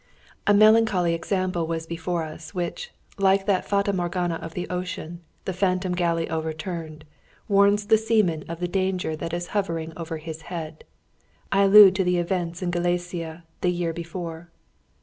A melancholy example was before us, which, like that fata Morgana of the ocean, the phantom galley overturned, warns the seaman of the danger that is hovering over his head. I allude to the events in Galicia the year before.